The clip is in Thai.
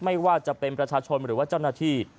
ไม่ว่าจะเป็นประชาชนหรือว่าเจ้าหน้าที่